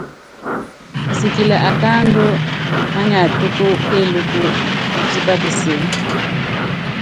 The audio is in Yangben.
Kisikili akáandú manyátúkú kéelúku, pútipá peseé.